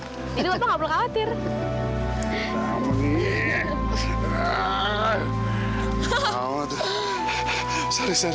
jadi apa nggak perlu khawatir